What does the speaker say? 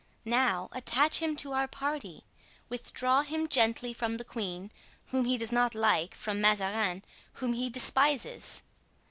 Now attach him to our party. Withdraw him gently from the queen, whom he does not like, from Mazarin, whom he despises.